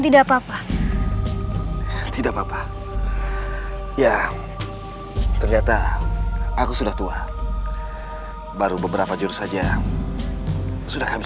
di mana malambir menyembunyikan cembeti sakti amar suli